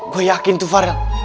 gue yakin itu farel